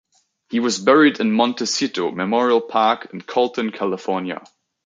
He was buried at Montecito Memorial Park, in Colton, California.